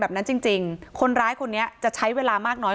แบบนั้นจริงจริงคนร้ายคนนี้จะใช้เวลามากน้อย